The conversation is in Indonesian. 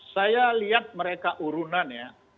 saya lihat mereka urunan ya